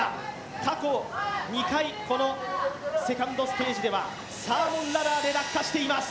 過去２回このセカンドステージではサーモンラダーで落下しています。